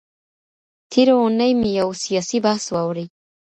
تېره اونۍ مي يو سياسي بحث واورېد.